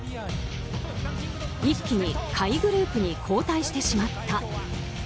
一気に下位グループに後退してしまった。